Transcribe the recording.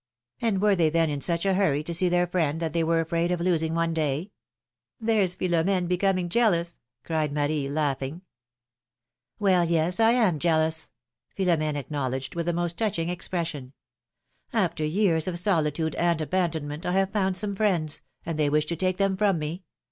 And were they then in such a hurry to see their friend that they were afraid of losing one day?" There's Philom^ne becoming jealous," cried Marie, laughing. 92 philomene's marriages. yes, I am jealous!'^ Philomene acknowledged, with the most touching expression. ^^After years of soli tude and abandonment, I have found some friends, and they wish to take them from me!